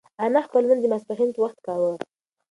انا خپل لمونځ د ماسپښین په وخت کاوه.